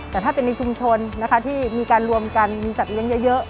แต่ถ้าเป็นในชุมชนนะคะที่มีการรวมกันสัตว์เลี้ยงเยอะ